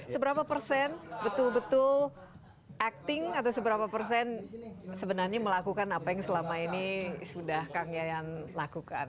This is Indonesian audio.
seberapa persen betul betul acting atau seberapa persen sebenarnya melakukan apa yang selama ini sudah kang yayan lakukan